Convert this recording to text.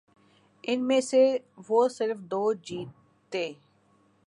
ان میں سے وہ صرف دو جیتنے